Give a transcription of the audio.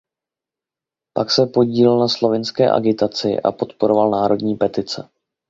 Pak se podílel na slovinské agitaci a podporoval národní petice.